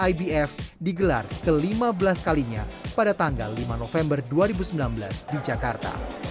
ibf digelar ke lima belas kalinya pada tanggal lima november dua ribu sembilan belas di jakarta